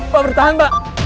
pak bertahan pak